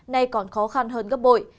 nay còn khó khăn hơn gấp bội